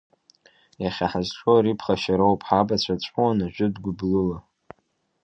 Иахьа ҳазҿу ари ԥхашьароуп, ҳабацәа ҵәуан ажәытә гәыблыла.